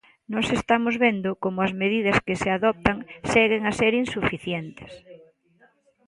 Nós estamos vendo como as medidas que se adoptan seguen a ser insuficientes.